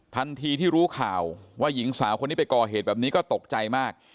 ทันทีที่รู้ข่าวว่าหญิงสาวคนนี้ไปก่อเหตุแบบนี้ก็ตกใจมาก